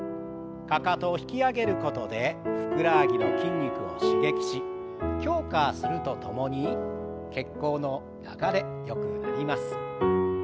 かかとを引き上げることでふくらはぎの筋肉を刺激し強化するとともに血行の流れよくなります。